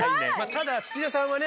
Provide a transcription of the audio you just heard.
ただ土田さんはね